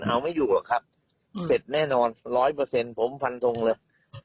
เอาไม่อยู่อะครับเสร็จแน่นอน๑๐๐ผมฟันทงเลย